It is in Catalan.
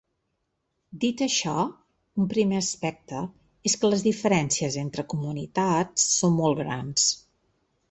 Dit això, un primer aspecte és que les diferències entre comunitats són molt grans.